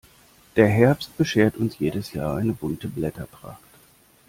Der Herbst beschert uns jedes Jahr eine bunte Blätterpracht.